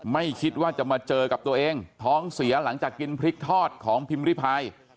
ไม่คิดว่าจะมาเจอกับตัวเองท้องเสียหลังจากกินพริกทอดของพิมพ์ริพาย